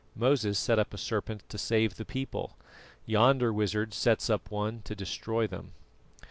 "Moses set up a serpent to save the people; yonder wizard sets up one to destroy them."